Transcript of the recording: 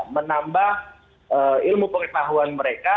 menambah ilmu pengetahuan mereka